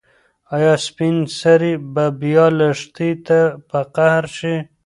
ایا سپین سرې به بیا لښتې ته په قهر شي؟